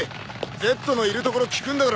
Ｚのいるところ聞くんだからな。